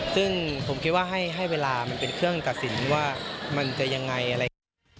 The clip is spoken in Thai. ซึ่งผมคิดว่าให้เวลามันเป็นเครื่องตัดสินว่ามันจะยังไงอะไรอย่างนี้